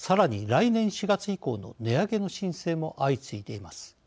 来年４月以降の値上げの申請も相次いでいます。